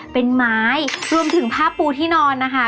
เป็นไม้รวมถึงผ้าปูที่นอนนะคะ